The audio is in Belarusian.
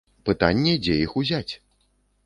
Пытанне, дзе іх узяць?